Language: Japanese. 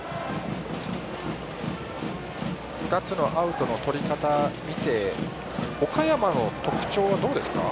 ２つのアウトの取り方を見て岡山の特徴はどうですか。